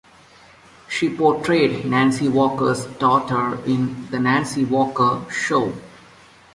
She portrayed Nancy Walker's daughter in "The Nancy Walker Show".